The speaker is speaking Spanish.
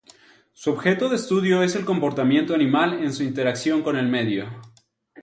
Su objeto de estudio es el comportamiento animal en su interacción con el medio.